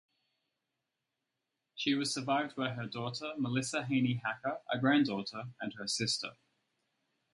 She was survived by her daughter Melissa Haney-Hacker, a granddaughter, and her sister.